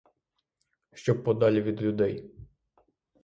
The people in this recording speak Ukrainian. Щоб подалі від людей.